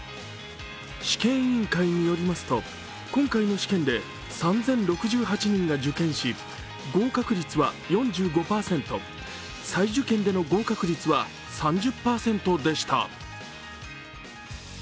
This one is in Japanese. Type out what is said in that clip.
試験委員会によりますと、今回の試験で３０６８人が受験し、合格率は４５％再受験での合格率は３０％でした。